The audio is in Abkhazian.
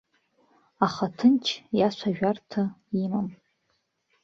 Аха, ҭынч иацәажәарҭа имам.